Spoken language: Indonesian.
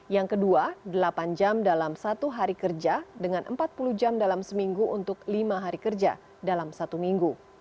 yang kedua delapan jam dalam satu hari kerja dengan empat puluh jam dalam seminggu untuk lima hari kerja dalam satu minggu